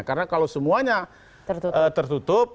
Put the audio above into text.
karena kalau semuanya tertutup